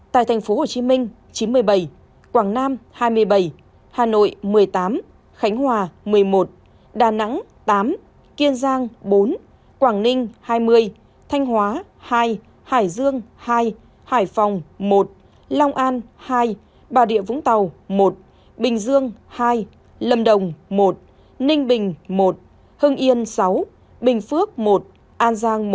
tại tp hcm chín mươi bảy quảng nam hai mươi bảy hà nội một mươi tám khánh hòa một mươi một đà nẵng tám kiên giang bốn quảng ninh hai mươi thanh hóa hai hải dương hai hải phòng một long an hai bà địa vũng tàu một bình dương hai lâm đồng một ninh bình một hưng yên sáu bình phước một an giang một